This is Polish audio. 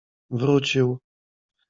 Wrócił.